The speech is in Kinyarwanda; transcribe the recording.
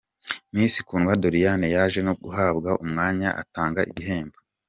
Miss Kundwa Doriane, yaje no guhabwa umwanya atanga igihembo.